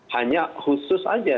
hanya khusus aja